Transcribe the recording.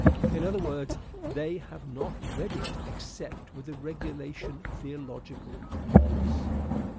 In other words, they have not read it except with the regulation theological bias.